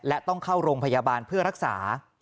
และต้องเข้าโรงพยาบาลเพื่อรักษา